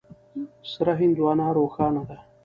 سره هندوانه روښانه ده.